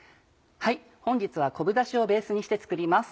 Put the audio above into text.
本日は昆布ダシをベースにして作ります。